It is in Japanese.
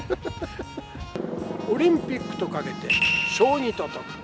オリンピックとかけて、将棋ととく。